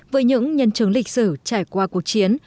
với những nhân chứng lịch sử trải qua cuộc chiến